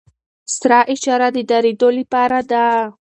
سره اشاره د دریدو لپاره ده.